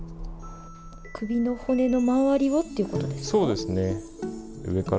首の骨の周りをっていうことですか？